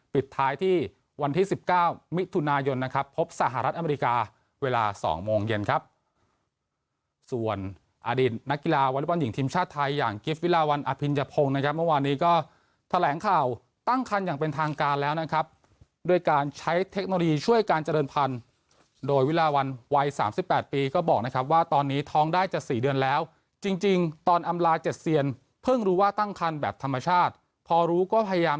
ปิดท้ายที่วันที่สิบเก้ามิตุนายนนะครับพบสหรัฐอเมริกาเวลาสองโมงเย็นครับส่วนอดินนักกีฬาวลบรรยิ่งทีมชาติไทยอย่างกิฟต์วิฬาวันอพินจพงด์นะครับเมื่อวานนี้ก็แถลงข่าวตั้งคันอย่างเป็นทางการแล้วนะครับด้วยการใช้เทคโนโลยีช่วยการเจริญพันธุ์โดยวิฬาวันไว๓๘ปีก็บอก